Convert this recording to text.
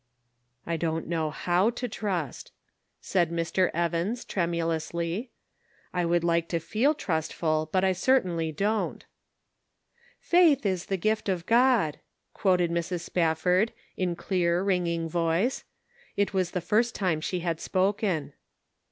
"I don't know how to trust," said Mr. Measuring Responsibility. 407 Evans, tremulously; "I would like to feel trustful, but I certainly don't." "Faith is the gift of God," quoted Mrs. Spafford, in clear, ringing voice; it was the first time she had spoken.